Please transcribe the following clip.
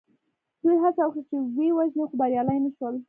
دوی هڅه وکړه چې ویې وژني خو بریالي نه شول.